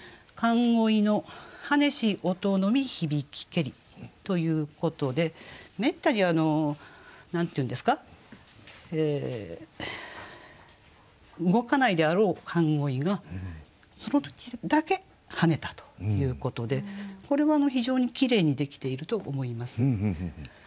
「寒鯉の跳ねし音のみ響きけり」ということでめったに何と言うんですか動かないであろう寒鯉がその時だけ跳ねたということでこれは非常にきれいにできていると思います。